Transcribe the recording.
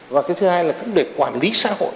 và cái thứ hai là cũng để quản lý xã hội